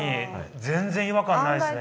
全然違和感ないですね。